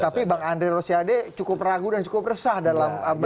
tapi bang andre rosiade cukup ragu dan cukup resah dalam